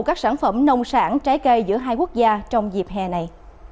các sản phẩm nông sản trái cây giữa hai quốc gia trong dịp hè này